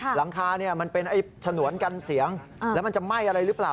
หลังคามันเป็นฉนวนกันเสียงแล้วมันจะไหม้อะไรหรือเปล่า